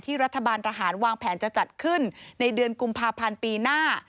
รัฐบาลทหารวางแผนจะจัดขึ้นในเดือนกุมภาพันธ์ปีหน้า